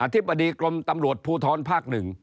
อธิบดีกรมตำรวจภูทรภาคหนึ่ง